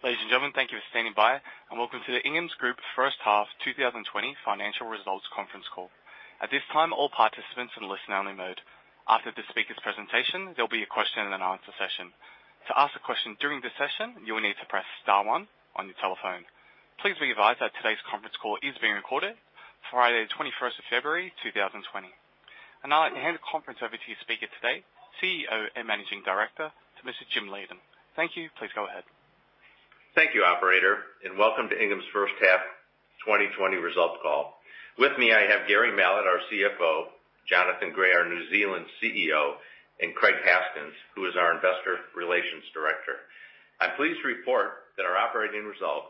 Ladies and gentlemen, thank you for standing by and welcome to the Inghams Group First Half 2020 Financial Results Conference Call. At this time, all participants in listen-only mode. After the speaker's presentation, there'll be a question and answer session. To ask a question during this session, you will need to press star one on your telephone. Please be advised that today's conference call is being recorded, Friday the 21st of February, 2020. Now I hand the conference over to your speaker today, CEO and Managing Director, to Mr. Jim Leighton. Thank you. Please go ahead. Thank you, operator, and welcome to Inghams First Half 2020 Results Call. With me, I have Gary Mallett, our CFO, Jonathan Gray, our New Zealand CEO, and Craig Haskins, who is our Investor Relations Director. I'm pleased to report that our operating result,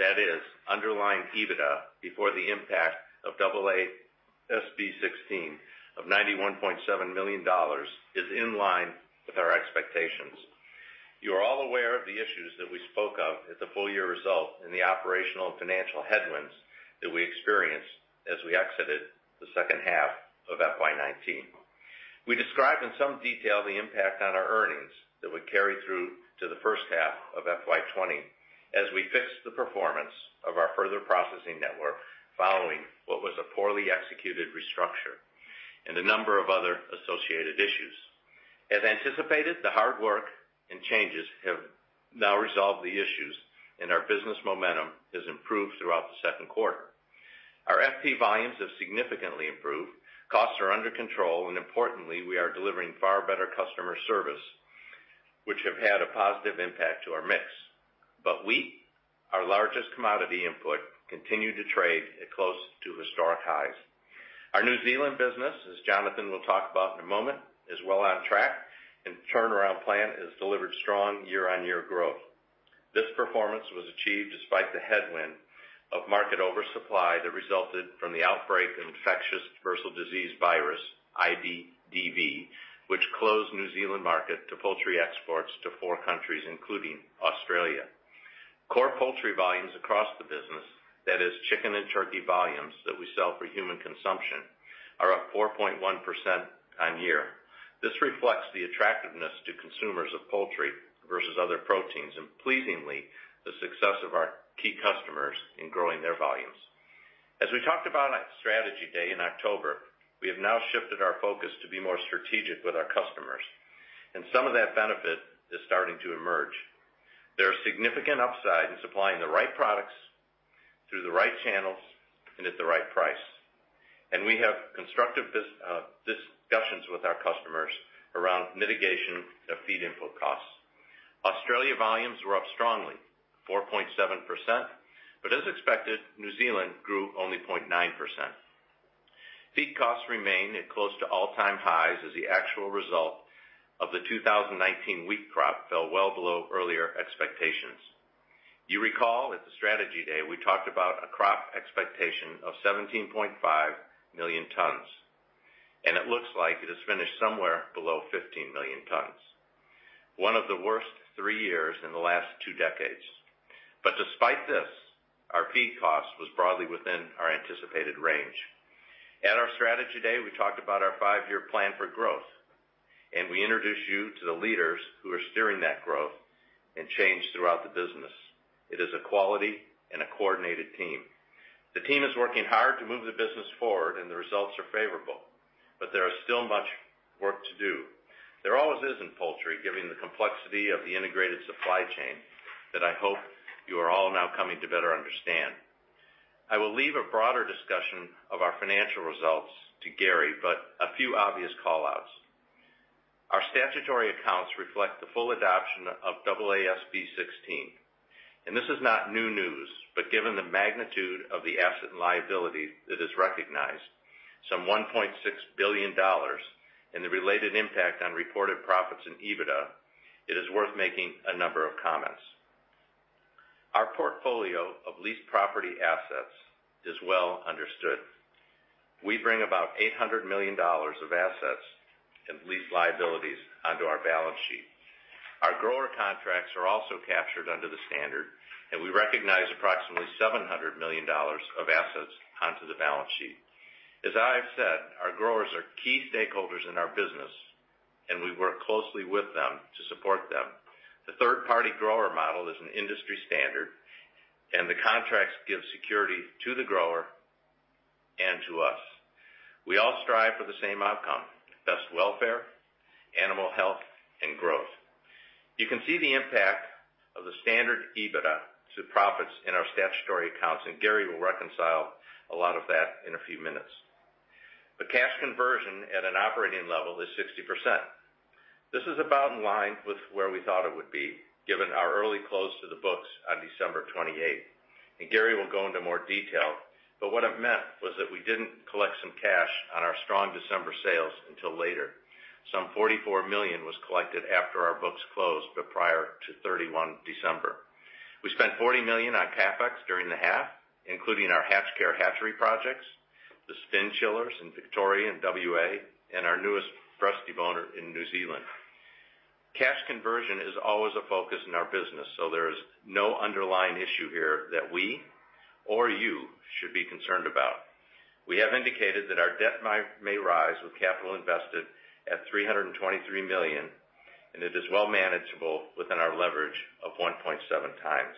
that is underlying EBITDA before the impact of AASB 16 of 91.7 million dollars, is in line with our expectations. You are all aware of the issues that we spoke of at the full-year result and the operational and financial headwinds that we experienced as we exited the second half of FY 2019. We described in some detail the impact on our earnings that would carry through to the first half of FY 2020 as we fixed the performance of our further processing network following what was a poorly executed restructure and a number of other associated issues. As anticipated, the hard work and changes have now resolved the issues and our business momentum has improved throughout the second quarter. Our FP volumes have significantly improved. Costs are under control. Importantly, we are delivering far better customer service, which have had a positive impact to our mix. But wheat, our largest commodity input, continue to trade at close to historic highs. Our New Zealand business, as Jonathan will talk about in a moment, is well on track and turnaround plan has delivered strong year-on-year growth. This performance was achieved despite the headwind of market oversupply that resulted from the outbreak of infectious bursal disease virus, IBDV, which closed New Zealand market to poultry exports to four countries, including Australia. Core poultry volumes across the business, that is chicken and turkey volumes that we sell for human consumption, are up 4.1% on year. This reflects the attractiveness to consumers of poultry versus other proteins and pleasingly the success of our key customers in growing their volumes. As we talked about on our Strategy Day in October, we have now shifted our focus to be more strategic with our customers, and some of that benefit is starting to emerge. There are significant upside in supplying the right products through the right channels and at the right price and we have constructive discussions with our customers around mitigation of feed input costs. Australia volumes were up strongly 4.7% but as expected New Zealand grew only 0.9%. Feed costs remain at close to all-time highs as the actual result of the 2019 wheat crop fell well below earlier expectations. You recall at the Strategy Day we talked about a crop expectation of 17.5 million tons, and it looks like it has finished somewhere below 15 million tons, one of the worst three years in the last two decades. Despite this, our feed cost was broadly within our anticipated range. At our Strategy Day, we talked about our five-year plan for growth, and we introduced you to the leaders who are steering that growth and change throughout the business. It is a quality and a coordinated team. The team is working hard to move the business forward and the results are favorable, but there is still much work to do. There always is in poultry, given the complexity of the integrated supply chain that I hope you are all now coming to better understand. I will leave a broader discussion of our financial results to Gary, but a few obvious call-outs. Our statutory accounts reflect the full adoption of AASB 16, and this is not new news, but given the magnitude of the asset and liability that is recognized, some 1.6 billion dollars, and the related impact on reported profits and EBITDA, it is worth making a number of comments. Our portfolio of leased property assets is well understood. We bring about 800 million dollars of assets and lease liabilities onto our balance sheet. Our grower contracts are also captured under the standard. We recognize approximately 700 million dollars of assets onto the balance sheet. As I've said, our growers are key stakeholders in our business and we work closely with them to support them. The third-party grower model is an industry standard and the contracts give security to the grower and to us. We all strive for the same outcome: best welfare, animal health, and growth. You can see the impact of the standard EBITDA to profits in our statutory accounts. Gary will reconcile a lot of that in a few minutes. The cash conversion at an operating level is 60%. This is about in line with where we thought it would be given our early close to the books on December 28th. Gary will go into more detail, but what it meant was that we didn't collect some cash on our strong December sales until later. Some 44 million was collected after our books closed, but prior to 31 December. We spent 40 million on CapEx during the half, including our HatchCare hatchery projects, the spin chillers in Victoria and WA, and our newest breast deboner in New Zealand. Cash conversion is always a focus in our business so there is no underlying issue here that we or you should be concerned about. We have indicated that our debt may rise with capital invested at 323 million, and it is well manageable within our leverage of 1.7x.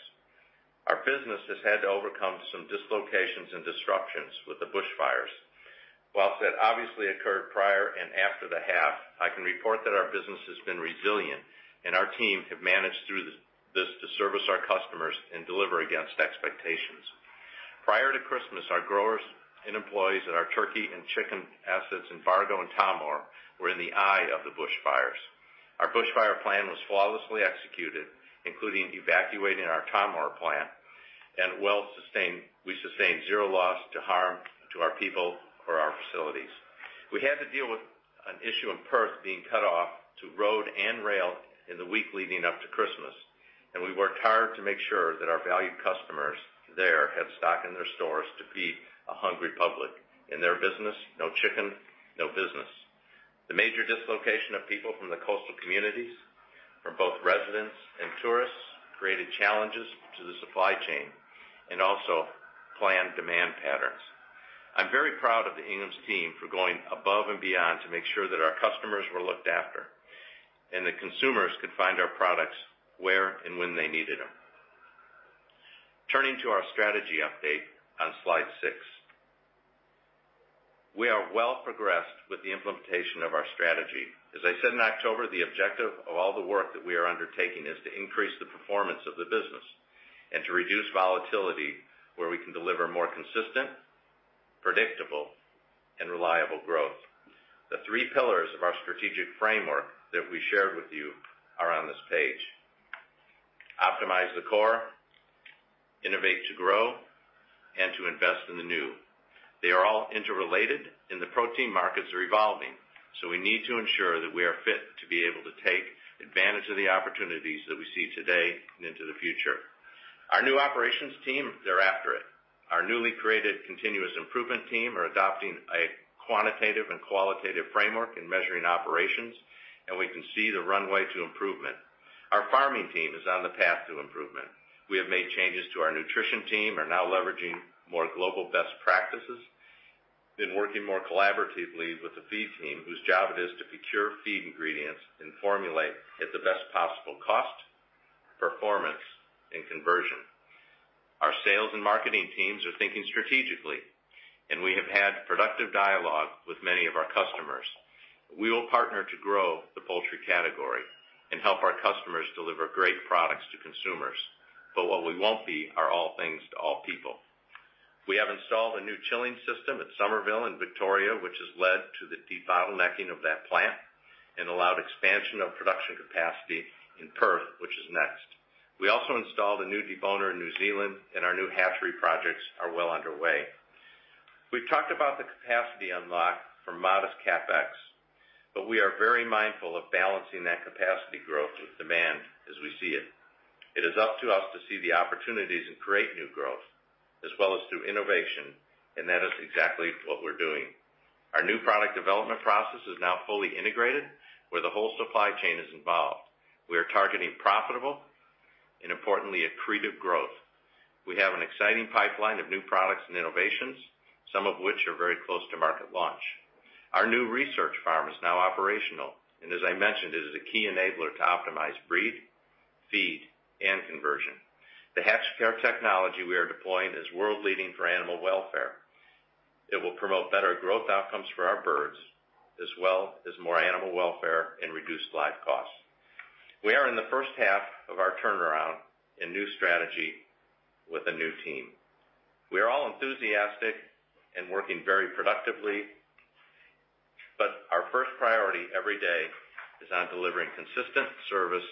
Our business has had to overcome some dislocations and disruptions with the bushfires. That obviously occurred prior and after the half, I can report that our business has been resilient and our team have managed through this to service our customers and deliver against expectations. Prior to Christmas, our growers and employees at our turkey and chicken assets in Tahmoor and Thomastown were in the eye of the bushfires. Our bushfire plan was flawlessly executed, including evacuating our Thomastown plant, and we sustained zero loss to harm to our people or our facilities. We had to deal with an issue in Perth being cut off to road and rail in the week leading up to Christmas, and we worked hard to make sure that our valued customers there had stock in their stores to feed a hungry public. In their business, no chicken, no business. The major dislocation of people from the coastal communities, from both residents and tourists, created challenges to the supply chain and also planned demand patterns. I'm very proud of the Inghams team for going above and beyond to make sure that our customers were looked after and the consumers could find our products where and when they needed them. Turning to our strategy update on slide six. We are well progressed with the implementation of our strategy. As I said in October, the objective of all the work that we are undertaking is to increase the performance of the business and to reduce volatility where we can deliver more consistent, predictable, and reliable growth. The three pillars of our strategic framework that we shared with you are on this page. Optimize the Core, Innovate to Grow, and to Invest in the New. They are all interrelated, and the protein markets are evolving. We need to ensure that we are fit to be able to take advantage of the opportunities that we see today and into the future. Our new operations team, they're after it. Our newly created continuous improvement team are adopting a quantitative and qualitative framework in measuring operations, and we can see the runway to improvement. Our farming team is on the path to improvement. We have made changes to our nutrition team, are now leveraging more global best practices in working more collaboratively with the feed team, whose job it is to procure feed ingredients and formulate at the best possible cost, performance, and conversion. Our sales and marketing teams are thinking strategically, and we have had productive dialogue with many of our customers. We will partner to grow the poultry category and help our customers deliver great products to consumers. What we won't be are all things to all people. We have installed a new chilling system at Thomastown in Victoria, which has led to the debottlenecking of that plant and allowed expansion of production capacity in Perth, which is next. We also installed a new deboner in New Zealand, and our new hatchery projects are well underway. We've talked about the capacity unlock for modest CapEx, but we are very mindful of balancing that capacity growth with demand as we see it. It is up to us to see the opportunities and create new growth as well as through innovation, and that is exactly what we're doing. Our new product development process is now fully integrated where the whole supply chain is involved. We are targeting profitable and importantly, accretive growth. We have an exciting pipeline of new products and innovations, some of which are very close to market launch. Our new research farm is now operational, and as I mentioned, it is a key enabler to optimize breed, feed, and conversion. The HatchCare technology we are deploying is world-leading for animal welfare. It will promote better growth outcomes for our birds, as well as more animal welfare and reduced live costs. We are in the first half of our turnaround in new strategy with a new team. We are all enthusiastic and working very productively, but our first priority every day is on delivering consistent service,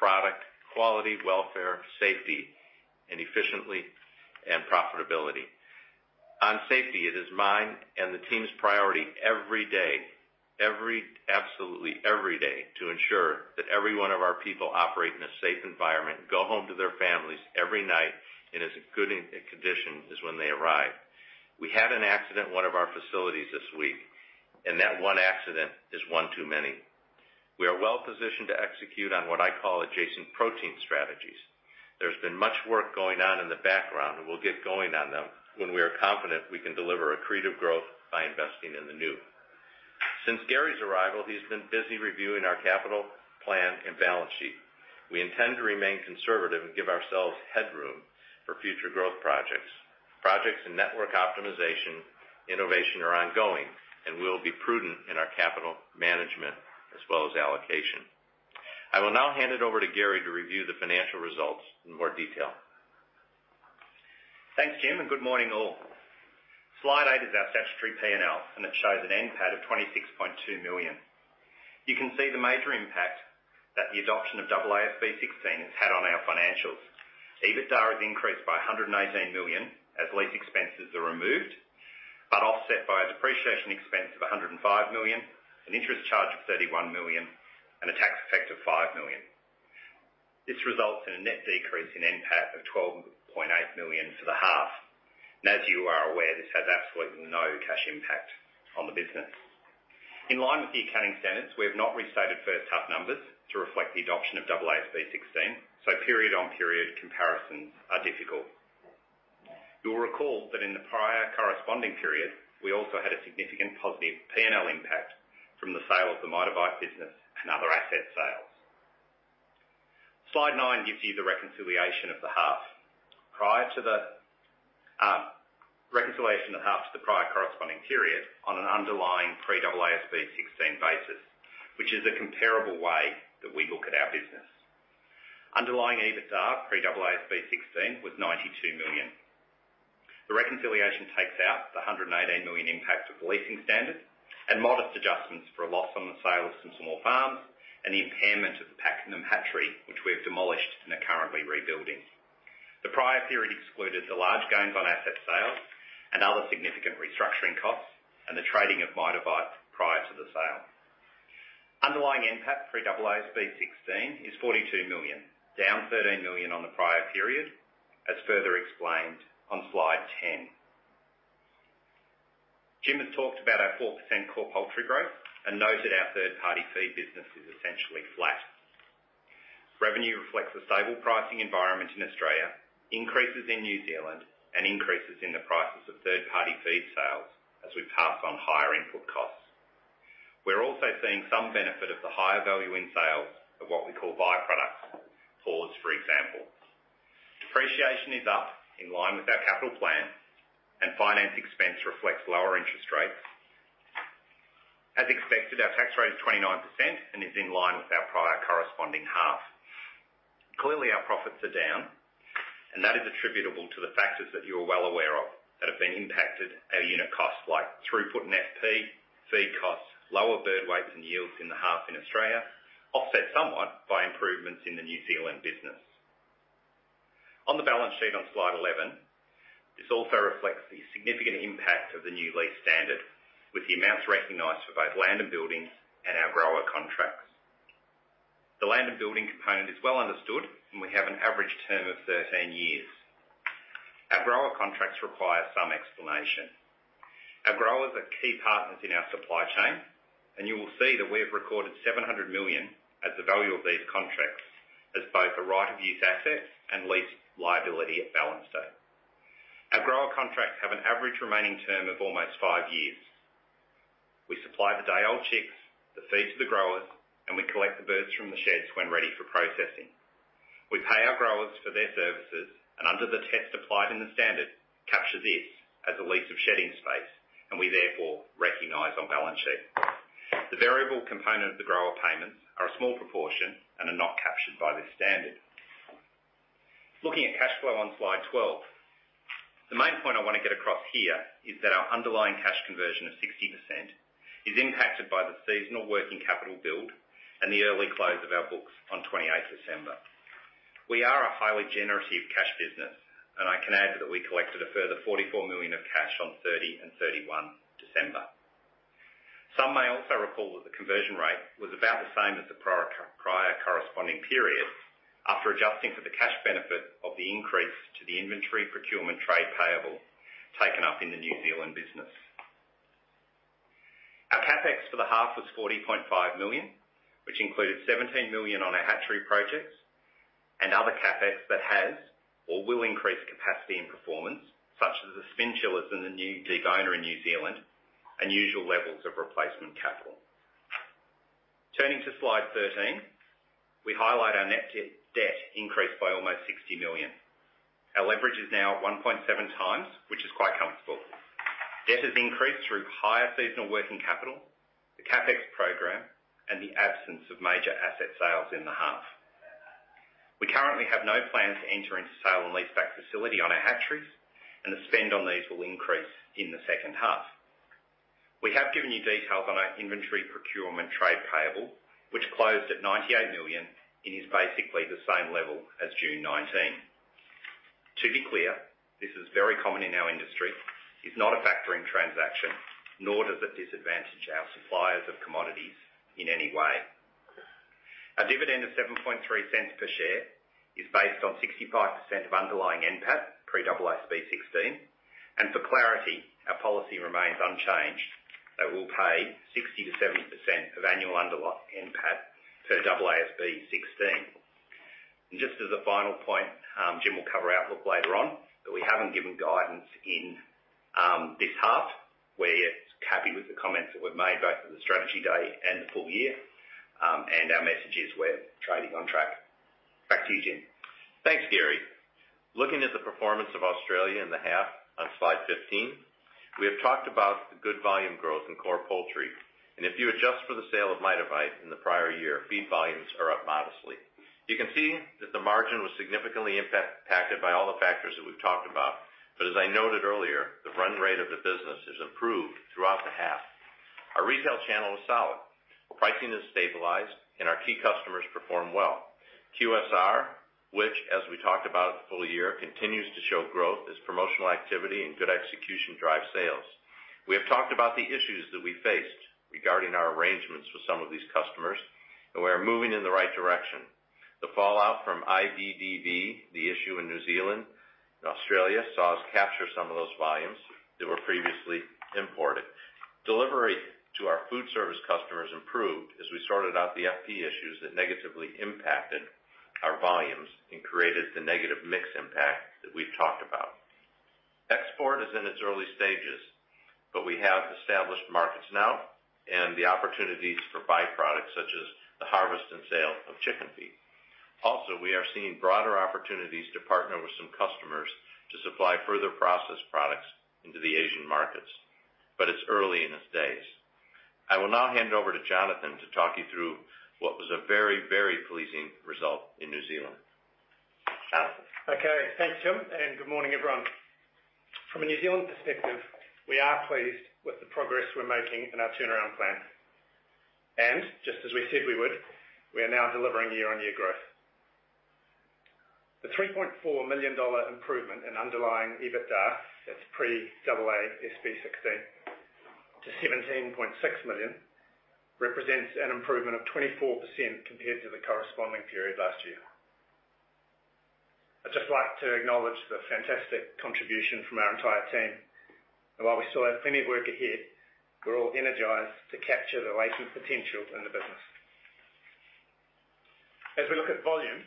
product quality, welfare, safety, and efficiency and profitability. On safety, it is mine and the team's priority every day, absolutely every day, to ensure that every one of our people operate in a safe environment and go home to their families every night in as good condition as when they arrived. We had an accident in one of our facilities this week, and that one accident is one too many. We are well-positioned to execute on what I call adjacent protein strategies. There has been much work going on in the background, and we will get going on them when we are confident we can deliver accretive growth by investing in the new. Since Gary's arrival, he's been busy reviewing our capital plan and balance sheet. We intend to remain conservative and give ourselves headroom for future growth projects. Projects and network optimization innovation are ongoing, and we'll be prudent in our capital management as well as allocation. I will now hand it over to Gary to review the financial results in more detail. Thanks, Jim. Good morning, all. Slide eight is our statutory P&L. It shows an NPAT of 26.2 million. You can see the major impact that the adoption of AASB 16 has had on our financials. EBITDA has increased by 118 million as lease expenses are removed, offset by a depreciation expense of 105 million, an interest charge of 31 million, and a tax effect of 5 million. This results in a net decrease in NPAT of 12.8 million for the half. As you are aware, this has absolutely no cash impact on the business. In line with the accounting standards, we have not restated first half numbers to reflect the adoption of AASB 16, period-on-period comparisons are difficult. You'll recall that in the prior corresponding period, we also had a significant positive P&L impact from the sale of the Mitavite business and other asset sales. Slide nine gives you the reconciliation of the half to the prior corresponding period on an underlying pre-AASB 16 basis, which is a comparable way that we look at our business. Underlying EBITDA pre-AASB 16 was 92 million. The reconciliation takes out the 118 million impact of the leasing standard and modest adjustments for a loss on the sale of some small farms and the impairment of the Pakenham hatchery, which we've demolished and are currently rebuilding. The prior period excluded the large gains on asset sales and other significant restructuring costs and the trading of Mitavite prior to the sale. Underlying NPAT pre-AASB 16 is 42 million, down 13 million on the prior period, as further explained on slide 10. Jim has talked about our 4% core poultry growth and noted our third-party feed business is essentially flat. Revenue reflects a stable pricing environment in Australia, increases in New Zealand, and increases in the prices of third-party feed sales as we pass on higher input costs. We're also seeing some benefit of the higher value in sales of what we call by-products, paws, for example. Depreciation is up in line with our capital plan, and finance expense reflects lower interest rates. As expected, our tax rate is 29% and is in line with our prior corresponding half. Clearly, our profits are down, and that is attributable to the factors that you are well aware of that have been impacted our unit costs like throughput and FP, feed costs, lower bird weights and yields in the half in Australia, offset somewhat by improvements in the New Zealand business. On the balance sheet on slide 11, this also reflects the significant impact of the new lease standard, with the amounts recognized for both land and buildings and our grower contracts. The land and building component is well understood, and we have an average term of 13 years. Our grower contracts require some explanation. Our growers are key partners in our supply chain, and you will see that we have recorded 700 million as the value of these contracts as both a right of use asset and lease liability at balance date. Our grower contracts have an average remaining term of almost five years. We supply the day-old chicks, the feed to the growers, and we collect the birds from the sheds when ready for processing. We pay our growers for their services and under the test applied in the Standard, capture this as a lease of shedding space, and we therefore recognize on balance sheet. The variable component of the grower payments are a small proportion and are not captured by this Standard. Looking at cash flow on slide 12. The main point I want to get across here is that our underlying cash conversion of 60% is impacted by the seasonal working capital build and the early close of our books on 28th December. We are a highly generative cash business, and I can add that we collected a further 44 million of cash on 30 and 31 December. Some may also recall that the conversion rate was about the same as the prior corresponding period after adjusting for the cash benefit of the increase to the inventory procurement trade payable taken up in the New Zealand business. Our CapEx for the half was 40.5 million, which included 17 million on our hatchery projects and other CapEx that has or will increase capacity and performance, such as the spin chillers in the new deboner in New Zealand and usual levels of replacement capital. Turning to slide 13, we highlight our net debt increased by almost 60 million. Our leverage is now at 1.7x, which is quite comfortable. Debt has increased through higher seasonal working capital, the CapEx program, and the absence of major asset sales in the half. We currently have no plans to enter into sale and leaseback facility on our hatcheries, and the spend on these will increase in the second half. We have given you details on our inventory procurement trade payable, which closed at 98 million and is basically the same level as June 2019. To be clear, this is very common in our industry. It's not a factoring transaction, nor does it disadvantage our suppliers of commodities in any way. Our dividend of 0.073 per share is based on 65% of underlying NPAT pre-AASB 16, for clarity, our policy remains unchanged that we'll pay 60%-70% of annual underlying NPAT per AASB 16. Just as a final point, Jim will cover outlook later on, but we haven't given guidance in this half. We're happy with the comments that we've made both at the Strategy Day and the full year, and our message is we're trading on track. Back to you, Jim. Thanks, Gary. Looking at the performance of Australia in the half on slide 15, we have talked about the good volume growth in core poultry, and if you adjust for the sale of Mitavite in the prior year, feed volumes are up modestly. You can see that the margin was significantly impacted by all the factors that we talked about. But as I noted earlier, the run rate of the business has improved throughout the half. Our retail channel is solid. Pricing has stabilized, and our key customers perform well. QSR, which as we talked about at the full year, continues to show growth as promotional activity and good execution drive sales. We have talked about the issues that we faced regarding our arrangements with some of these customers, we are moving in the right direction. The fallout from IBDV, the issue in New Zealand and Australia, saw us capture some of those volumes that were previously imported. Delivery to our food service customers improved as we sorted out the FP issues that negatively impacted our volumes and created the negative mix impact that we've talked about. Export is in its early stages, but we have established markets now and the opportunities for by-products such as the harvest and sale of chicken feet. Also, we are seeing broader opportunities to partner with some customers to supply further processed products into the Asian markets, it's early in its days. I will now hand over to Jonathan to talk you through what was a very pleasing result in New Zealand. Jonathan. Thanks, Jim, and good morning, everyone. From a New Zealand perspective, we are pleased with the progress we're making in our turnaround plan. And just as we said we would, we are now delivering year-on-year growth. The 3.4 million dollar improvement in underlying EBITDA, that's pre AASB 16 to 17.6 million, represents an improvement of 24% compared to the corresponding period last year. I'd just like to acknowledge the fantastic contribution from our entire team. While we still have plenty of work ahead, we're all energized to capture the latent potential in the business. As we look at volume,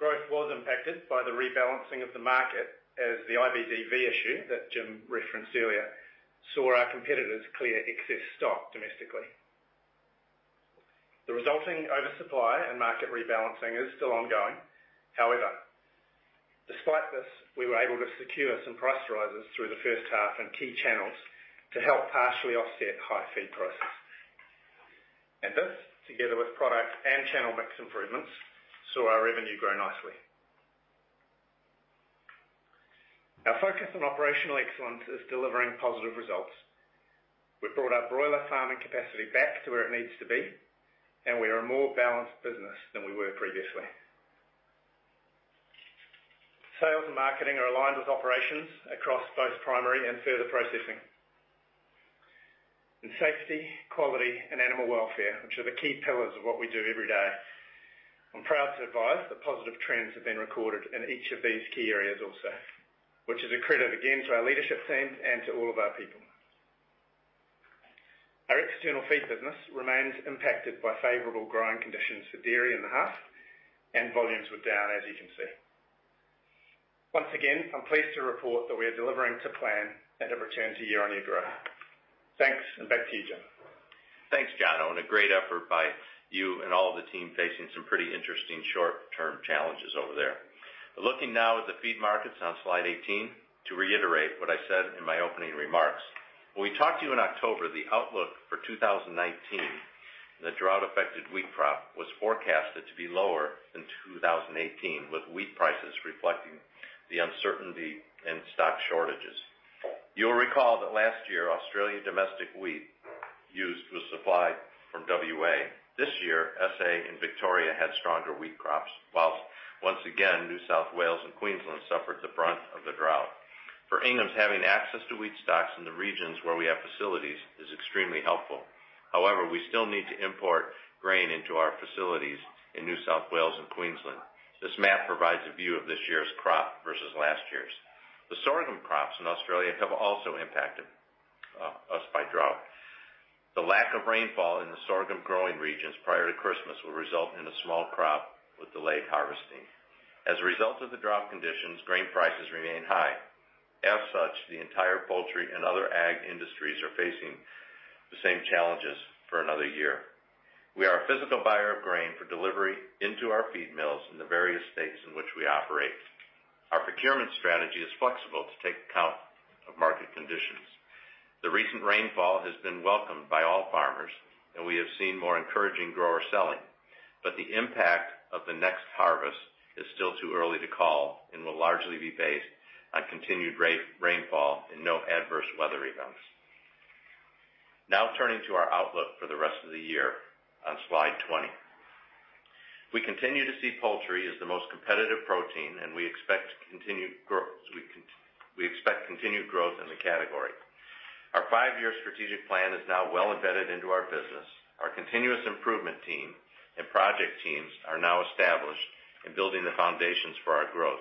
growth was impacted by the rebalancing of the market as the IBDV issue that Jim referenced earlier saw our competitors clear excess stock domestically. The resulting oversupply and market rebalancing is still ongoing. However, despite this, we were able to secure some price rises through the first half in key channels to help partially offset high feed prices. And this, together with product and channel mix improvements, saw our revenue grow nicely. Our focus on operational excellence is delivering positive results. We've brought our broiler farming capacity back to where it needs to be, and we are a more balanced business than we were previously. Sales and marketing are aligned with operations across both primary and further processing. In safety, quality, and animal welfare, which are the key pillars of what we do every day, I'm proud to advise that positive trends have been recorded in each of these key areas also, which is a credit again to our leadership team and to all of our people. Our external feed business remains impacted by favorable growing conditions for dairy in the half, and volumes were down as you can see. Once again, I'm pleased to report that we are delivering to plan and have returned to year-on-year growth. Thanks, and back to you, Jim. Thanks, Jon. A great effort by you and all the team facing some pretty interesting short-term challenges over there. Looking now at the feed markets on slide 18, to reiterate what I said in my opening remarks. When we talked to you in October, the outlook for 2019 and the drought-affected wheat crop was forecasted to be lower than 2018, with wheat prices reflecting the uncertainty and stock shortages. You'll recall that last year, Australian domestic wheat used was supplied from WA. This year, SA and Victoria had stronger wheat crops, while once again New South Wales and Queensland suffered the brunt of the drought. For Inghams, having access to wheat stocks in the regions where we have facilities is extremely helpful. However, we still need to import grain into our facilities in New South Wales and Queensland. This map provides a view of this year's crop versus last year's. The sorghum crops in Australia have also impacted us by drought. The lack of rainfall in the sorghum growing regions prior to Christmas will result in a small crop with delayed harvesting. As a result of the drought conditions, grain prices remain high. As such, the entire poultry and other ag industries are facing the same challenges for another year. We are a physical buyer of grain for delivery into our feed mills in the various states in which we operate. Our procurement strategy is flexible to take account of market conditions. The recent rainfall has been welcomed by all farmers, and we have seen more encouraging grower selling, but the impact of the next harvest is still too early to call and will largely be based on continued rainfall and no adverse weather events. Now turning to our outlook for the rest of the year on slide 20. We continue to see poultry as the most competitive protein, and we expect continued growth in the category. Our five-year strategic plan is now well embedded into our business. Our continuous improvement team and project teams are now established and building the foundations for our growth.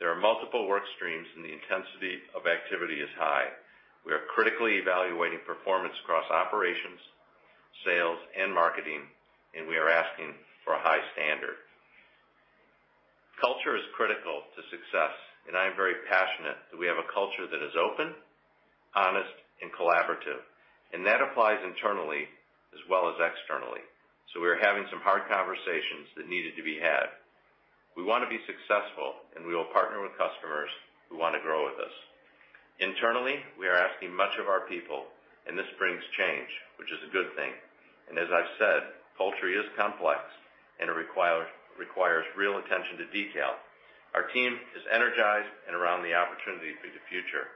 There are multiple work streams, and the intensity of activity is high. We are critically evaluating performance across operations, sales, and marketing, and we are asking for a high standard. Culture is critical to success, and I am very passionate that we have a culture that is open, honest, and collaborative, and that applies internally as well as externally. We're having some hard conversations that needed to be had. We want to be successful, and we will partner with customers who want to grow with us. Internally, we are asking much of our people, and this brings change, which is a good thing. As I've said, poultry is complex and it requires real attention to detail. Our team is energized and around the opportunity for the future.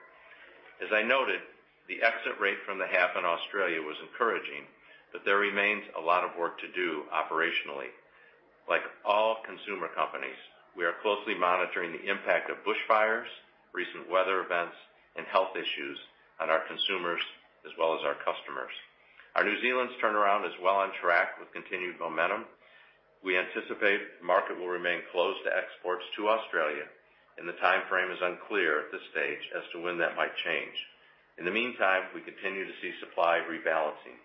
As I noted, the exit rate from the half in Australia was encouraging, but there remains a lot of work to do operationally. Like all consumer companies, we are closely monitoring the impact of bushfires, recent weather events, and health issues on our consumers as well as our customers. Our New Zealand's turnaround is well on track with continued momentum. We anticipate the market will remain closed to exports to Australia, and the timeframe is unclear at this stage as to when that might change. In the meantime, we continue to see supply rebalancing.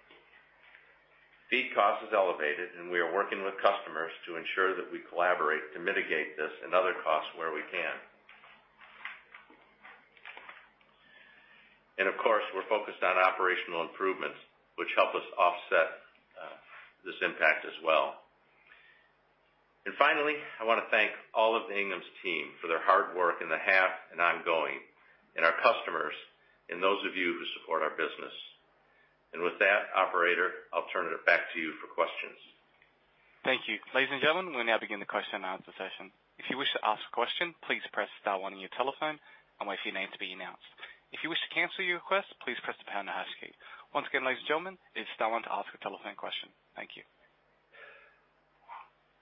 Feed cost is elevated. We are working with customers to ensure that we collaborate to mitigate this and other costs where we can. And of course, we're focused on operational improvements, which help us offset this impact as well. Finally, I want to thank all of the Inghams team for their hard work in the half and ongoing, and our customers and those of you who support our business. With that, operator, I'll turn it back to you for questions. Thank you. Ladies and gentlemen, we'll now begin the question and answer session. If you wish to ask a question, please press star one on your telephone and wait for your name to be announced. If you wish to cancel your request, please press the pound or hash key. Once again, ladies and gentlemen, it's star one to ask a telephone question. Thank you.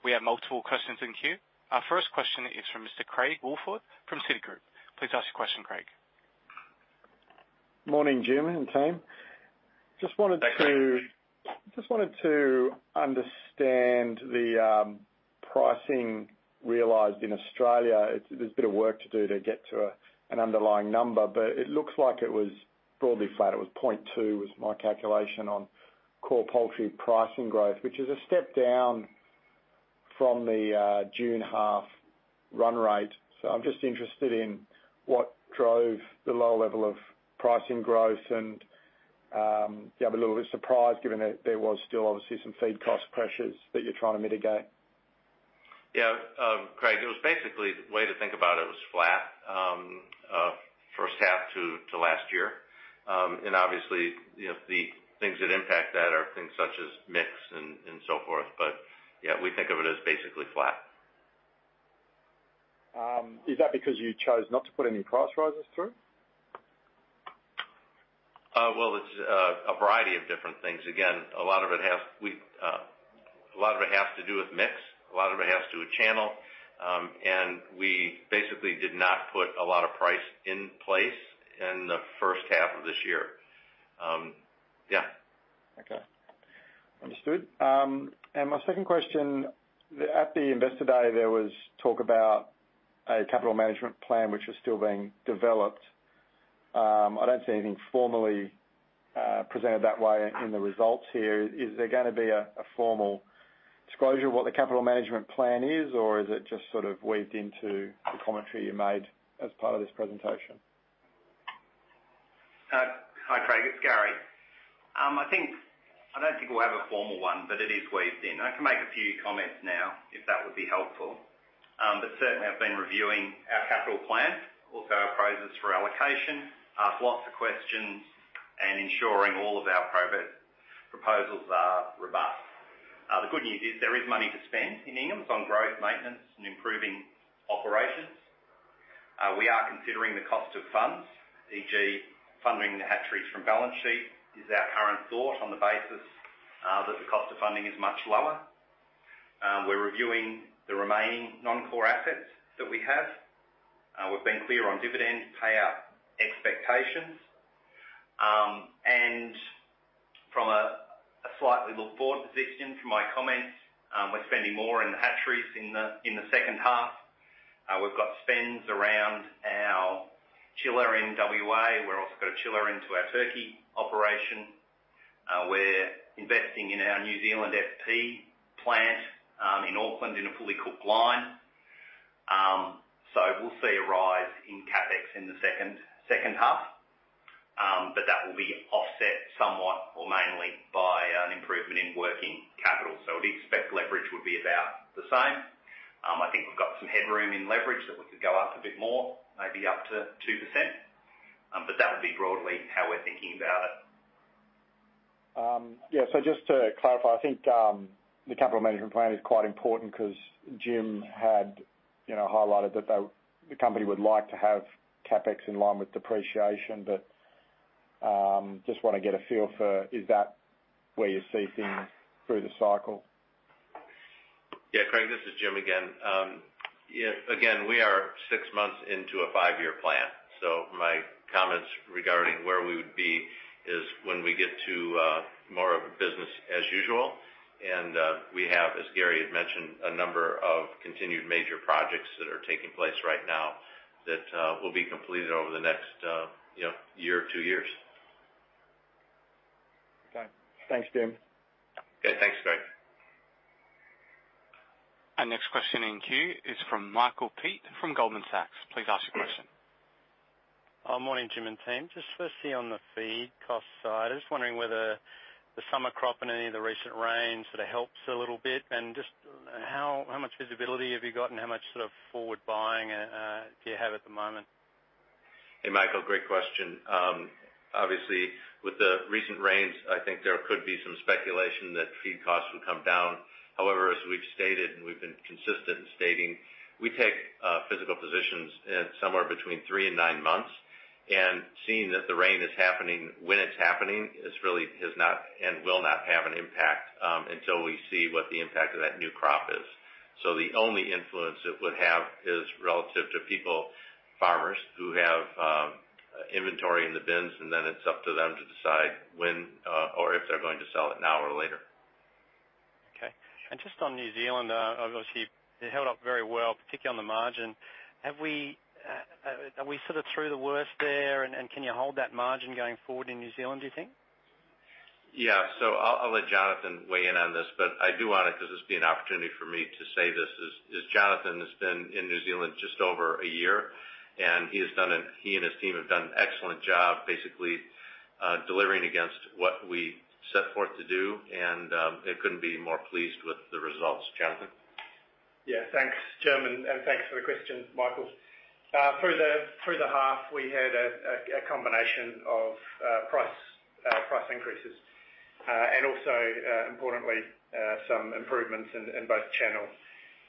We have multiple questions in queue. Our first question is from Mr. Craig Woolford from Citigroup. Please ask your question, Craig. Morning, Jim and team. Hey, Craig. Just wanted to understand the pricing realized in Australia. There's a bit of work to do to get to an underlying number, but it looks like it was broadly flat. It was 0.2 was my calculation on core poultry pricing growth, which is a step down from the June half run rate. I'm just interested in what drove the lower level of pricing growth and, yeah, I'm a little bit surprised given that there was still obviously some feed cost pressures that you're trying to mitigate. Yeah, Craig, it was basically, the way to think about it was flat first half to last year. Obviously, the things that impact that are things such as mix and so forth. Yeah, we think of it as basically flat. Is that because you chose not to put any price rises through? Well, it's a variety of different things. Again, a lot of it has to do with mix, a lot of it has to do with channel. We basically did not put a lot of price in place in the first half of this year. Yeah. Okay. Understood. My second question, at the Investor Day, there was talk about a capital management plan which is still being developed. I don't see anything formally presented that way in the results here. Is there going to be a formal disclosure of what the capital management plan is, or is it just sort of weaved into the commentary you made as part of this presentation? Hi, Craig. It's Gary. I don't think we'll have a formal one, but it is weaved in. I can make a few comments now if that would be helpful. Certainly, I've been reviewing our capital plan, also our process for allocation, asked lots of questions, and ensuring all of our proposals are robust. The good news is there is money to spend in Inghams on growth, maintenance, and improving operations. We are considering the cost of funds, e.g., funding the hatcheries from balance sheet is our current thought on the basis that the cost of funding is much lower. We're reviewing the remaining non-core assets that we have. We've been clear on dividend payout expectations. And from a slightly look-forward position from my comments, we're spending more in the hatcheries in the second half. We've got spends around our chiller in WA. We're also got a chiller into our turkey operation. We're investing in our New Zealand FP plant in Auckland in a fully cooked line. We'll see a rise in CapEx in the second half. That will be offset somewhat or mainly by an improvement in working capital. We'd expect leverage would be about the same. I think we've got some headroom in leverage that we could go up a bit more, maybe up to 2%. That would be broadly how we're thinking about it. Yeah. Just to clarify, I think the capital management plan is quite important because Jim had highlighted that the company would like to have CapEx in line with depreciation. I just want to get a feel for, is that where you see things through the cycle? Craig, this is Jim again. We are six months into a five-year plan, so my comments regarding where we would be is when we get to more of a business as usual. And we have, as Gary had mentioned, a number of continued major projects that are taking place right now that will be completed over the next year or two years. Okay. Thanks, Jim. Okay. Thanks, Craig. Our next question in queue is from Michael Peet from Goldman Sachs. Please ask your question. Morning, Jim and team. Just firstly, on the feed cost side, I'm just wondering whether the summer crop and any of the recent rain sort of helps a little bit, and just how much visibility have you got, and how much sort of forward buying do you have at the moment? Hey, Michael, great question. Obviously, with the recent rains, I think there could be some speculation that feed costs will come down. As we've stated, and we've been consistent in stating, we take physical positions in somewhere between three and nine months. Seeing that the rain is happening when it's happening, it really has not, and will not have an impact until we see what the impact of that new crop is. The only influence it would have is relative to people, farmers, who have inventory in the bins, and then it's up to them to decide when or if they're going to sell it now or later. Okay. Just on New Zealand, obviously, it held up very well, particularly on the margin. Are we sort of through the worst there, and can you hold that margin going forward in New Zealand, do you think? Yeah. I'll let Jonathan weigh in on this, but I do want to, because this will be an opportunity for me to say this, is Jonathan has been in New Zealand just over a year, and he and his team have done an excellent job, basically, delivering against what we set forth to do, and I couldn't be more pleased with the results. Jonathan? Yeah. Thanks, Jim, and thanks for the question, Michael. Through the half, we had a combination of price increases, and also, importantly, some improvements in both channel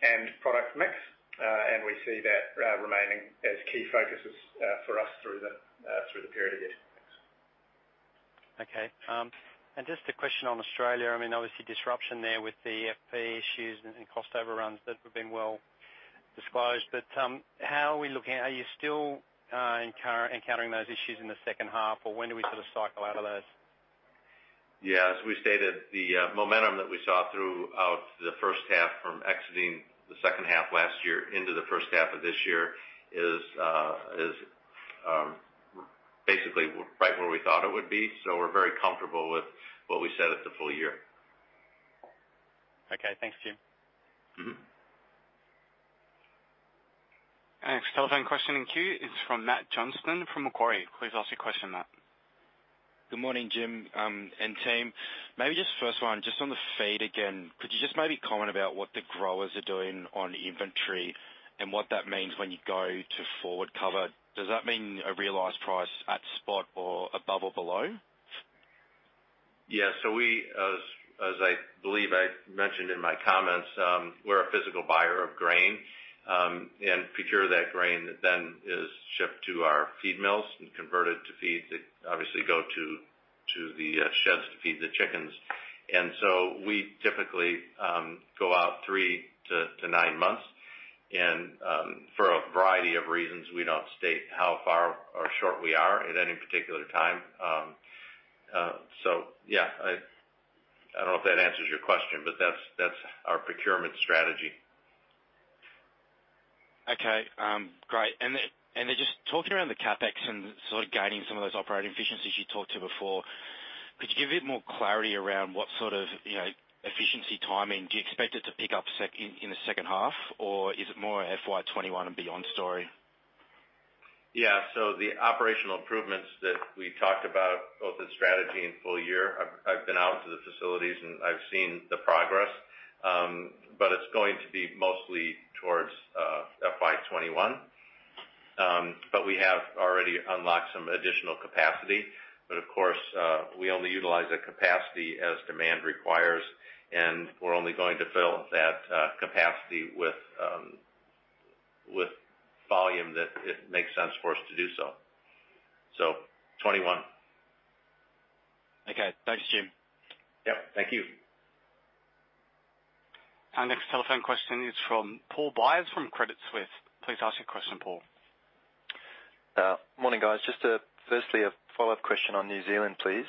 and product mix. We see that remaining as key focuses for us through the period ahead. Thanks. Okay. Just a question on Australia. Obviously disruption there with the FP issues and cost overruns that have been well disclosed. How are we looking? Are you still encountering those issues in the second half? When do we sort of cycle out of those? Yeah. As we stated, the momentum that we saw throughout the first half from exiting the second half last year into the first half of this year is basically right where we thought it would be. We're very comfortable with what we said it's a full year. Okay. Thanks, Jim. Next telephone question in queue is from Matt Johnston from Macquarie. Please ask your question, Matt. Good morning, Jim and team. Maybe just first one, just on the feed again, could you just maybe comment about what the growers are doing on inventory and what that means when you go to forward cover? Does that mean a realized price at spot or above or below? Yeah. As I believe I mentioned in my comments, we're a physical buyer of grain, and procure that grain that then is shipped to our feed mills and converted to feed that obviously go to the sheds to feed the chickens. We typically go out 3-9 months and for a variety of reasons, we don't state how far or short we are at any particular time. Yeah. I don't know if that answers your question, but that's our procurement strategy. Okay. Great. Just talking around the CapEx and sort of gaining some of those operating efficiencies you talked to before, could you give a bit more clarity around what sort of efficiency timing? Do you expect it to pick up in the second half, or is it more a FY 2021 and beyond story? The operational improvements that we talked about, both in strategy and full year, I've been out to the facilities and I've seen the progress. It's going to be mostly towards FY 2021. We have already unlocked some additional capacity. Of course, we only utilize the capacity as demand requires, and we're only going to fill that capacity with volume that it makes sense for us to do so. 2021. Okay. Thanks, Jim. Yep, thank you. Our next telephone question is from Paul Byers from Credit Suisse. Please ask your question, Paul. Morning, guys. Just firstly, a follow-up question on New Zealand, please.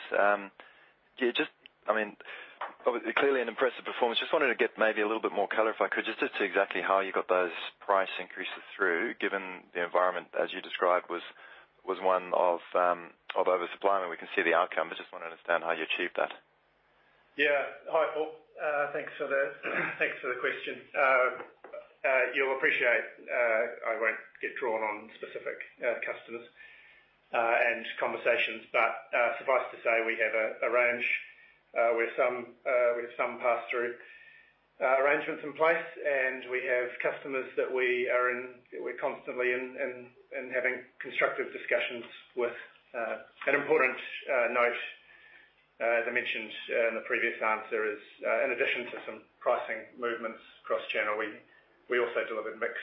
Clearly an impressive performance. Just wanted to get maybe a little bit more color, if I could, just as to exactly how you got those price increases through, given the environment as you described was one of oversupply, and we can see the outcome, but just want to understand how you achieved that. Yeah. Hi, Paul. Thanks for the question. You'll appreciate I won't get drawn on specific customers and conversations, suffice to say, we have a range with some pass-through arrangements in place, and we have customers that we're constantly in and having constructive discussions with. An important note, as I mentioned in the previous answer, is in addition to some pricing movements cross-channel, we also delivered mix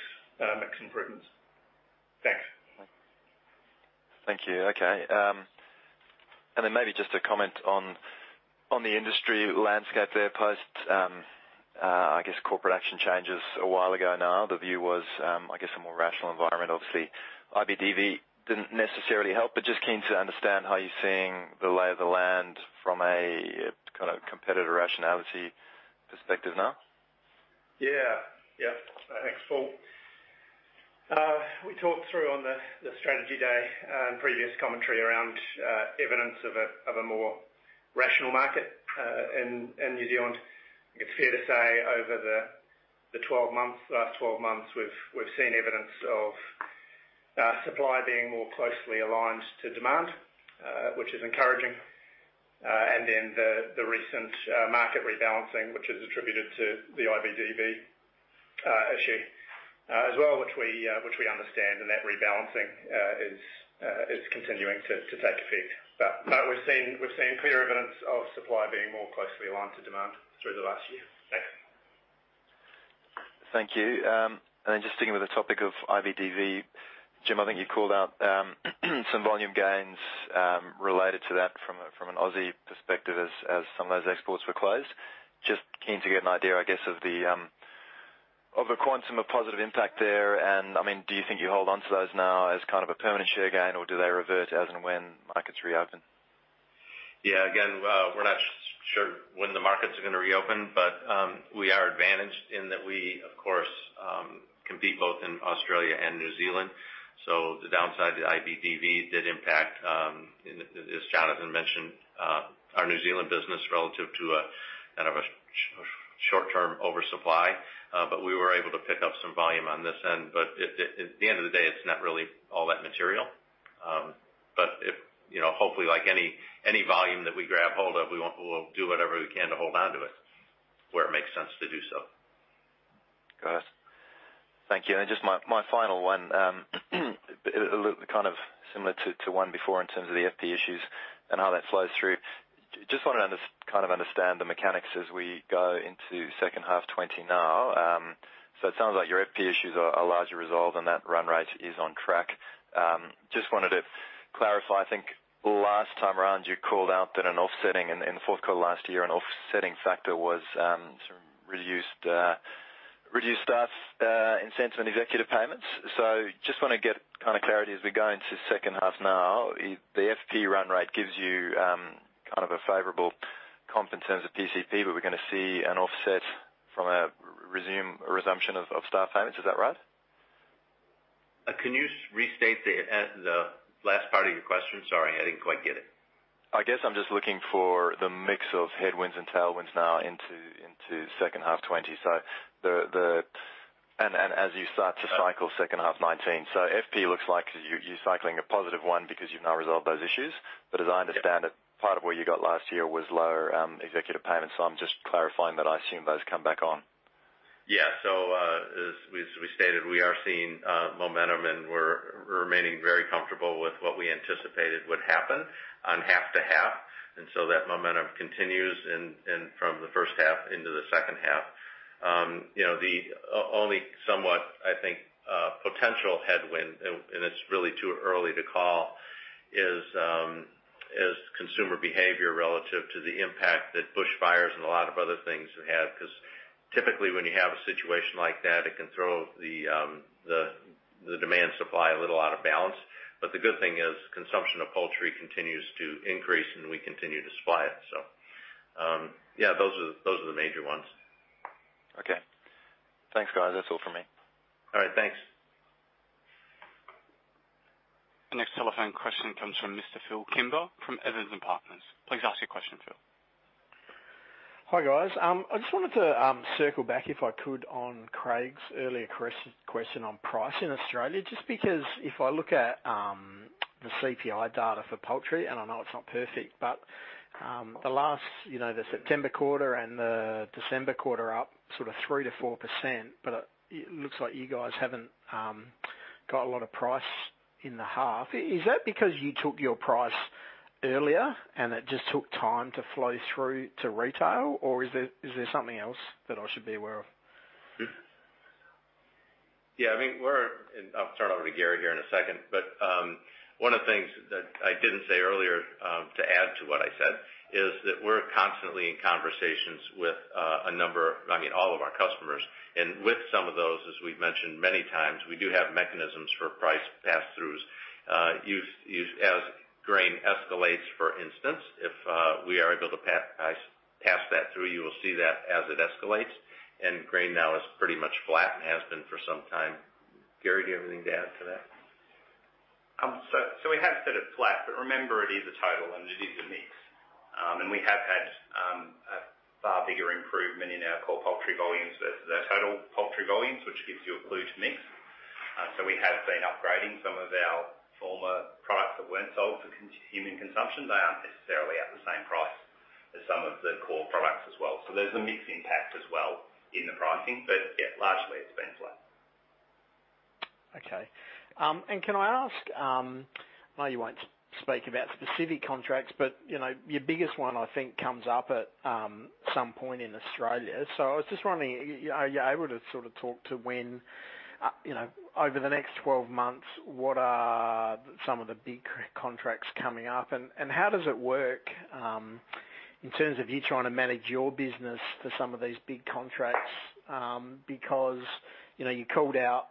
improvements. Thanks. Thank you. Okay. Maybe just a comment on the industry landscape there post, I guess, corporate action changes a while ago now. The view was, I guess, a more rational environment. Obviously, IBDV didn't necessarily help, but just keen to understand how you're seeing the lay of the land from a kind of competitor rationality perspective now. Yeah. Thanks, Paul. We talked through on the Strategy Day and previous commentary around evidence of a more rational market in New Zealand. I think it is fair to say over the last 12 months, we have seen evidence of supply being more closely aligned to demand, which is encouraging. The recent market rebalancing, which is attributed to the IBDV issue as well, which we understand, and that rebalancing is continuing to take effect. We have seen clear evidence of supply being more closely aligned to demand through the last year. Thanks. Thank you. Just sticking with the topic of IBDV Jim, I think you called out some volume gains related to that from an Aussie perspective as some of those exports were closed. Just keen to get an idea, I guess, of the quantum of positive impact there and do you think you hold onto those now as kind of a permanent share gain, or do they revert as and when markets reopen? Yeah. Again, we're not sure when the markets are going to reopen, but we are advantaged in that we, of course, compete both in Australia and New Zealand. The downside, the IBDV did impact, as Jonathan mentioned, our New Zealand business relative to a kind of a short-term oversupply, but we were able to pick up some volume on this end. At the end of the day, it's not really all that material. Hopefully like any volume that we grab hold of, we'll do whatever we can to hold onto it where it makes sense to do so. Got it. Thank you. Just my final one, kind of similar to one before in terms of the FP issues and how that flows through. Just wanted to kind of understand the mechanics as we go into second half 2020 now. It sounds like your FP issues are largely resolved, and that run rate is on track. Just wanted to clarify, I think last time around you called out that an offsetting in the fourth quarter last year, an offsetting factor was some reduced staff incentive and executive payments. Just want to get kind of clarity as we go into second half now. The FP run rate gives you kind of a favorable comp in terms of PCP, but we're going to see an offset from a resumption of staff payments. Is that right? Can you restate the last part of your question? Sorry, I didn't quite get it. I guess I'm just looking for the mix of headwinds and tailwinds now into second half 2020 and as you start to cycle second half 2019. FP looks like you're cycling a positive one because you've now resolved those issues. As I understand it, part of what you got last year was lower executive payments. I'm just clarifying that I assume those come back on. Yeah. As we stated, we are seeing momentum and we're remaining very comfortable with what we anticipated would happen on half to half. That momentum continues from the first half into the second half. The only somewhat, I think, potential headwind, and it's really too early to call, is consumer behavior relative to the impact that bushfires and a lot of other things have because typically when you have a situation like that, it can throw the demand supply a little out of balance. The good thing is consumption of poultry continues to increase and we continue to supply it. Yeah, those are the major ones. Okay. Thanks, guys. That's all from me. All right. Thanks. The next telephone question comes from Mr. Phil Kimber from Evans & Partners. Please ask your question, Phil. Hi, guys. I just wanted to circle back if I could on Craig's earlier question on price in Australia. Just because if I look at the CPI data for poultry, and I know it's not perfect, but the last September quarter and the December quarter are up sort of 3%-4%, but it looks like you guys haven't got a lot of price in the half. Is that because you took your price earlier and it just took time to flow through to retail, or is there something else that I should be aware of? Yeah. I mean, I'll turn it over to Gary here in a second. One of the things that I didn't say earlier to add to what I said is that we're constantly in conversations with all of our customers. With some of those, as we've mentioned many times, we do have mechanisms for price pass-throughs. As grain escalates, for instance, if we are able to pass that through you will see that as it escalates and grain now is pretty much flat and has been for some time. Gary, do you have anything to add to that? We have said it's flat, but remember it is a total and it is a mix. We have had a far bigger improvement in our core poultry volumes versus our total poultry volumes, which gives you a clue to mix. We have been upgrading some of our former products that weren't sold for human consumption. They aren't necessarily at the same price as some of the core products as well. There's a mix impact as well in the pricing. Yeah, largely it's been flat. Okay. Can I ask, I know you won't speak about specific contracts, but your biggest one I think comes up at some point in Australia. I was just wondering, are you able to sort of talk to when over the next 12 months, what are some of the big contracts coming up and how does it work in terms of you trying to manage your business for some of these big contracts? Because you called out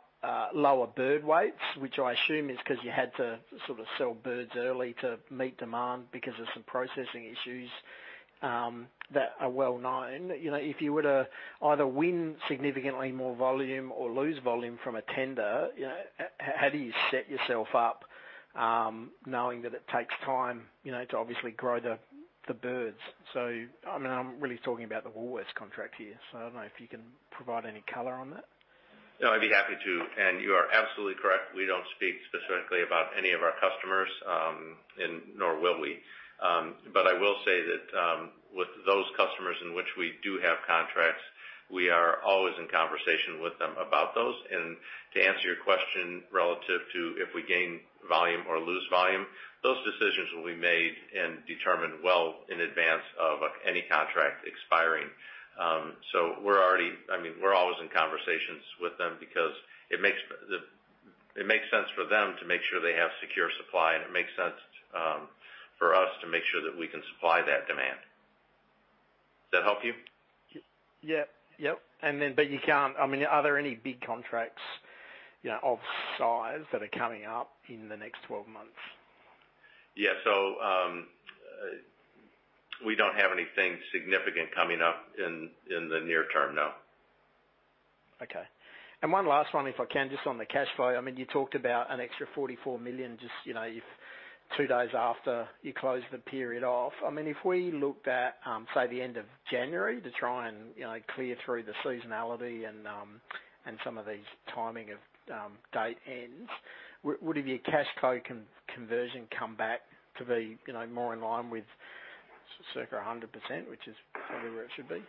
lower bird weights, which I assume is because you had to sort of sell birds early to meet demand because of some processing issues that are well known. If you were to either win significantly more volume or lose volume from a tender, how do you set yourself up knowing that it takes time to obviously grow the birds? I'm really talking about the Woolworths contract here. I don't know if you can provide any color on that. No, I'd be happy to. You are absolutely correct. We don't speak specifically about any of our customers, nor will we. I will say that with those customers in which we do have contracts, we are always in conversation with them about those. To answer your question relative to if we gain volume or lose volume, those decisions will be made and determined well in advance of any contract expiring. We're always in conversations with them because it makes sense for them to make sure they have secure supply, and it makes sense for us to make sure that we can supply that demand. Does that help you? Yep. Are there any big contracts of size that are coming up in the next 12 months? Yeah, we don't have anything significant coming up in the near term, no. Okay. One last one, if I can, just on the cash flow. You talked about an extra 44 million just, two days after you closed the period off. If we looked at, say, the end of January to try and clear through the seasonality and some of these timing of date ends, would your cash flow conversion come back to be more in line with circa 100%, which is where it should be?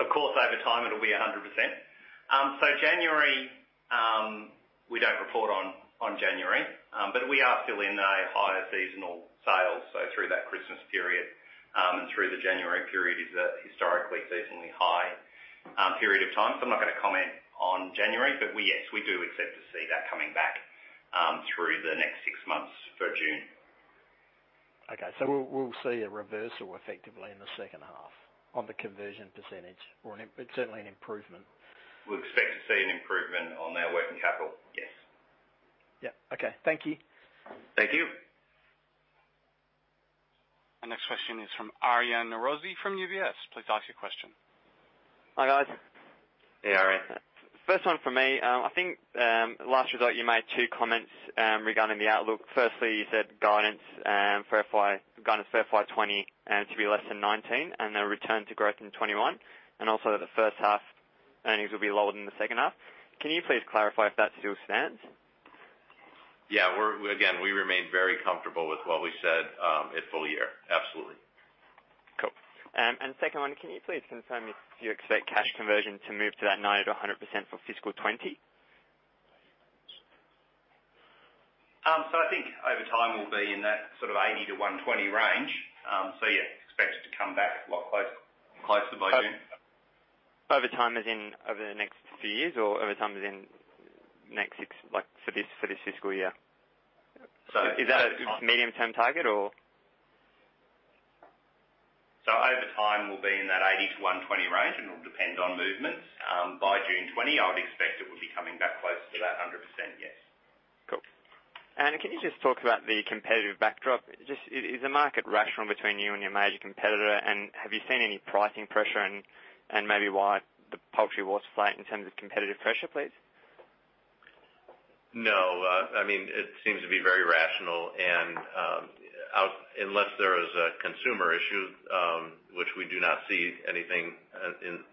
Of course, over time it'll be 100%. January, we don't report on January. We are still in a higher seasonal sales, so through that Christmas period, and through the January period is historically seasonally high period of time. I'm not going to comment on January, but yes, we do expect to see that coming back through the next six months for June. Okay. We'll see a reversal effectively in the second half on the conversion percentage, or certainly an improvement. We expect to see an improvement on our working capital, yes. Yeah. Okay. Thank you. Thank you. Our next question is from Aryan Norozi from UBS. Please ask your question. Hi, guys. Hey, Aryan. First one from me. I think last result you made two comments regarding the outlook. Firstly, you said guidance for FY 2020 to be less than FY 2019, then return to growth in FY 2021. Also that the first half earnings will be lower than the second half. Can you please clarify if that still stands? Yeah. Again, we remain very comfortable with what we said at full year. Absolutely. Cool. Second one, can you please confirm if you expect cash conversion to move to that 90%-100% for fiscal FY 2020? I think over time we'll be in that sort of 80-120 range. Yeah, expect it to come back a lot closer by June. Over time as in over the next few years or over time as in next six like for this fiscal year? So- Is that a medium-term target or? Over time, we'll be in that 80-120 range, and it will depend on movements. By June 2020, I would expect it will be coming back close to that 100%, yes. Cool. Can you just talk about the competitive backdrop? Is the market rational between you and your major competitor, and have you seen any pricing pressure and maybe why the poultry was flat in terms of competitive pressure, please? No. It seems to be very rational, and unless there is a consumer issue, which we do not see anything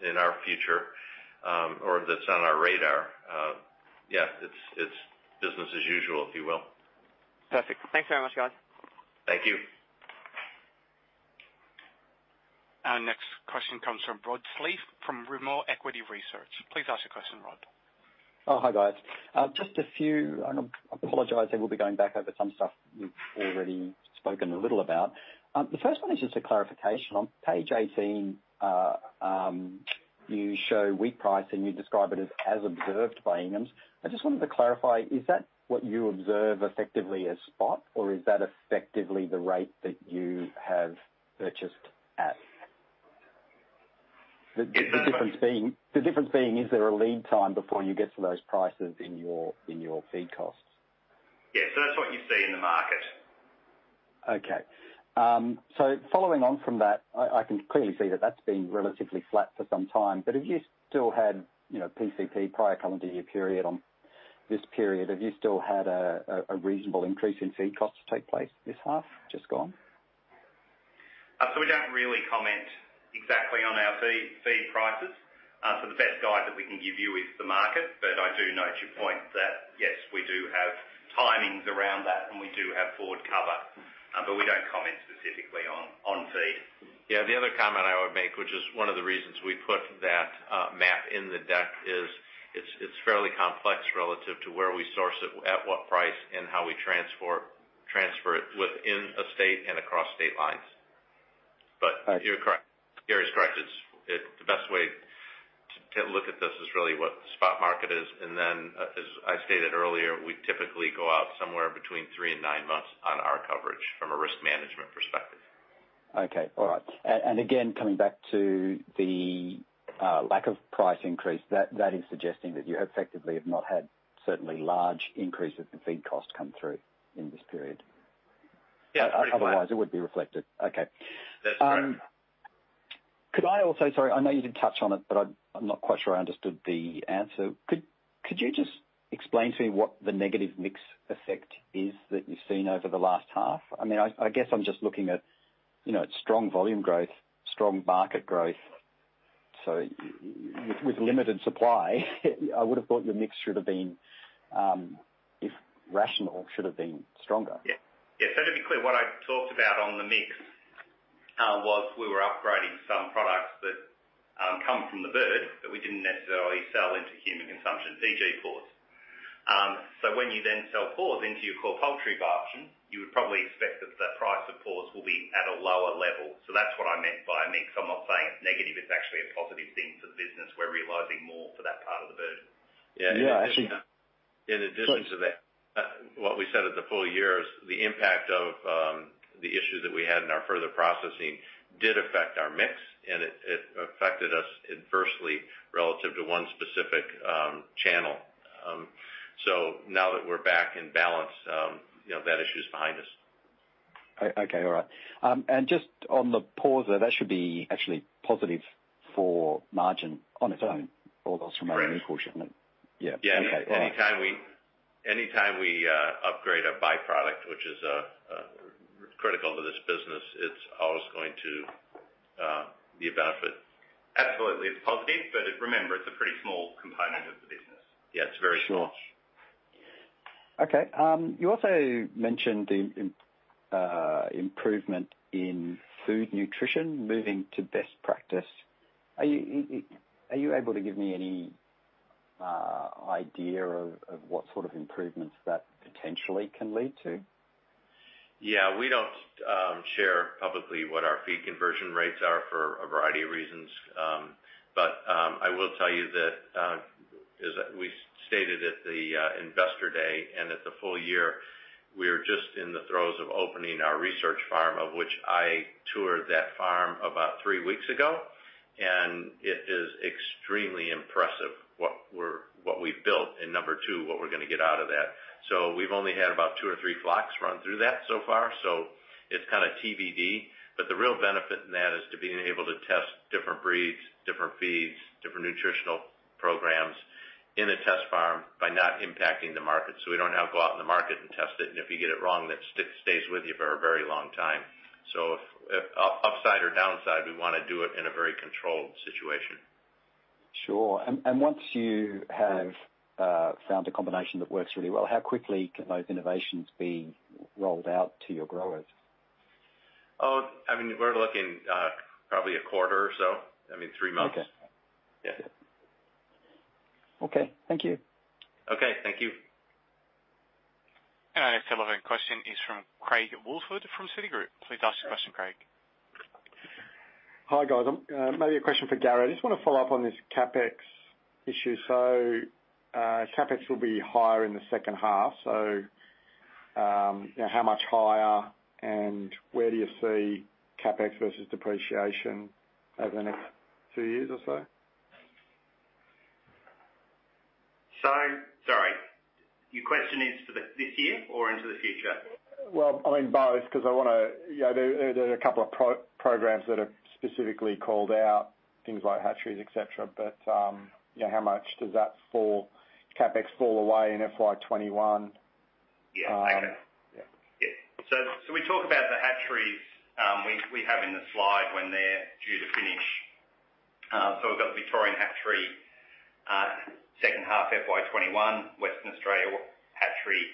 in our future or that's on our radar, yeah, it's business as usual, if you will. Perfect. Thanks very much, guys. Thank you. Our next question comes from Rod Sleath from Rimor Equity Research. Please ask your question, Rod. Hi, guys. Just a few. I apologize that we'll be going back over some stuff you've already spoken a little about. The first one is just a clarification. On page 18, you show wheat price, and you describe it as observed by Inghams. I just wanted to clarify, is that what you observe effectively as spot or is that effectively the rate that you have purchased at? The difference being, is there a lead time before you get to those prices in your feed costs? Yeah. That's what you see in the market. Okay. Following on from that, I can clearly see that that's been relatively flat for some time. Have you still had PCP, prior calendar year period, on this period, have you still had a reasonable increase in feed costs take place this half just gone? We don't really comment exactly on our feed prices. The best guide that we can give you is the market. I do note your point that, yes, we do have timings around that, and we do have forward cover. We don't comment specifically on feed. Yeah. The other comment I would make, which is one of the reasons we put that map in the deck is, it's fairly complex relative to where we source it, at what price, and how we transfer it within a state and across state lines. You're correct. Gary's correct. The best way to look at this is really what the spot market is, and then, as I stated earlier, we typically go out somewhere between three and nine months on our coverage from a risk management perspective. Okay. All right. Again, coming back to the lack of price increase, that is suggesting that you effectively have not had certainly large increase of the feed cost come through in this period. Yeah. Otherwise, it would be reflected. Okay. That's correct. Could I also Sorry, I know you did touch on it, but I'm not quite sure I understood the answer. Could you just explain to me what the negative mix effect is that you've seen over the last half? I guess I'm just looking at strong volume growth, strong market growth. With limited supply, I would have thought your mix, if rational, should have been stronger. Yeah. To be clear, what I talked about on the mix, was we were upgrading some products that come from the bird that we didn't necessarily sell into human consumption, e.g., paws. When you then sell paws into your poultry bar option, you would probably expect that the price of paws will be at a lower level. That's what I meant by mix. I'm not saying it's negative, it's actually a positive thing for the business. We're realizing more for that part of the bird. Yeah. In addition to that, what we said at the full year is the impact of the issue that we had in our further processing did affect our mix, and it affected us adversely relative to one specific channel. Now that we're back in balance, that issue's behind us. Okay. All right. Just on the imports, that should be actually positive for margin on its own for those from our import shipment. Correct. Yeah. Okay. All right. Yeah. Anytime we upgrade a byproduct, which is critical to this business, it's always going to be a benefit. Absolutely, it's positive. Remember, it's a pretty small component of the business. Yeah, it's very small. Okay you also mentioned the improvement in food nutrition, moving to best practice. Are you able to give me any idea of what sort of improvements that potentially can lead to? Yeah. We don't share publicly what our feed conversion rates are for a variety of reasons. But I will tell you that, as we stated at the Investor Day and at the full year, we are just in the throes of opening our research farm of which I toured that farm about three weeks ago, and it is extremely impressive what we've built, and number two, what we're going to get out of that. We've only had about two or three flocks run through that so far, so it's kind of TBD. The real benefit in that is to being able to test different breeds, different feeds, different nutritional programs in the test farm by not impacting the market. We don't have to go out in the market and test it, and if you get it wrong, that stays with you for a very long time. If upside or downside, we wanna do it in a very controlled situation. Sure. Once you have found a combination that works really well, how quickly can those innovations be rolled out to your growers? We're looking probably a quarter or so. Three months. Okay. Yeah. Okay. Thank you. Okay. Thank you. Our next relevant question is from Craig Woolford from Citigroup. Please ask the question, Craig. Hi, guys. Maybe a question for Gary. I just wanna follow up on this CapEx issue. CapEx will be higher in the second half. How much higher, and where do you see CapEx versus depreciation over the next two years or so? Sorry. Your question is for this year or into the future? Well, both, because there are a couple of programs that are specifically called out, things like hatcheries, et cetera. How much does that CapEx fall away in FY 2021? Yeah. Okay. Yeah. We talked about the hatcheries we have in the slide when they're due to finish. We've got the Victorian hatchery, second half FY 2021, Western Australia hatchery,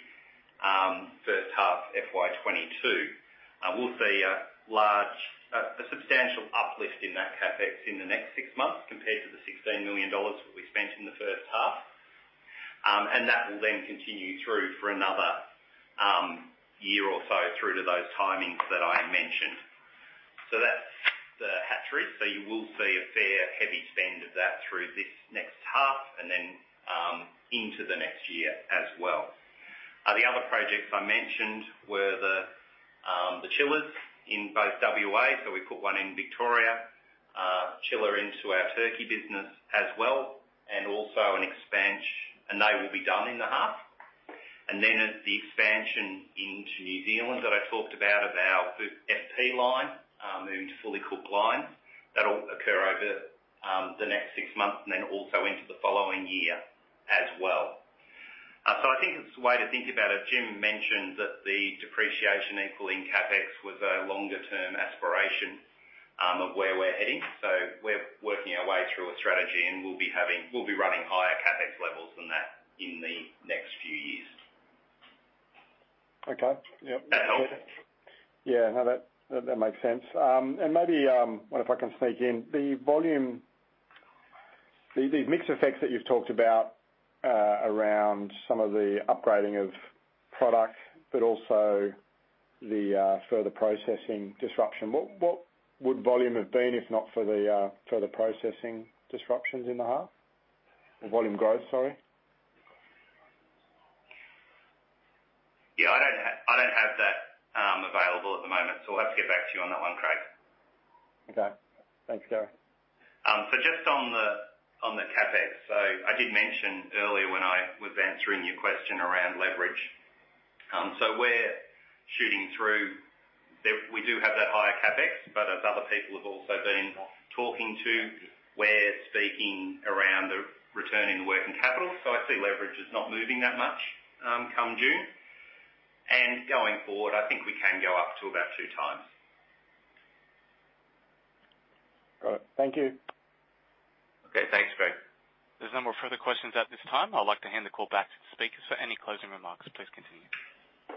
first half FY 2022. We'll see a substantial uplift in that CapEx in the next six months compared to the 16 million dollars that we spent in the first half. That will continue through for another year or so through to those timings that I mentioned. That's the hatchery. You will see a fair, heavy spend of that through this next half and then into the next year as well. The other projects I mentioned were the chillers in both WA, so we put one in Victoria, a chiller into our turkey business as well, and also an expansion, and they will be done in the half. And then the expansion into New Zealand that I talked about, of our FP line, moving to fully cooked lines, that'll occur over the next six months and then also into the following year as well. I think it's the way to think about it. Jim mentioned that the depreciation equaling CapEx was a longer-term aspiration of where we're heading. We're working our way through a strategy, and we'll be running higher CapEx levels than that in the next few years. Okay. Yep. If that helps. Maybe, what if I can sneak in, the volume, these mix effects that you've talked about around some of the upgrading of products, but also the further processing disruption. What would volume have been if not for the further processing disruptions in the half? Or volume growth, sorry. Yeah, I don't have that available at the moment. We'll have to get back to you on that one, Craig. Okay. Thanks, Gary. Just on the CapEx. I did mention earlier when I was answering your question around leverage. We do have that higher CapEx, but as other people have also been talking to, we're speaking around the return in working capital. I see leverage as not moving that much come June. Going forward, I think we can go up to about 2x. Got it. Thank you. Okay. Thanks, Craig. There's no more further questions at this time. I'd like to hand the call back to the speakers for any closing remarks. Please continue.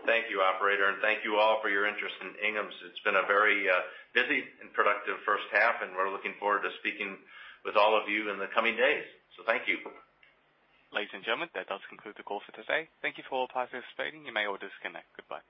Thank you, operator. Thank you all for your interest in Inghams. It's been a very busy and productive first half, and we're looking forward to speaking with all of you in the coming days. Thank you. Ladies and gentlemen, that does conclude the call for today. Thank you for participating. You may all disconnect. Goodbye.